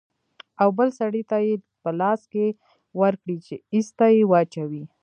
او بل سړي ته يې په لاس کښې ورکړې چې ايسته يې واچوي.